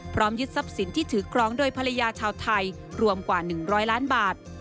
ยึดทรัพย์สินที่ถือครองโดยภรรยาชาวไทยรวมกว่า๑๐๐ล้านบาท